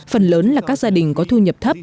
phần lớn là các gia đình có thu nhập thấp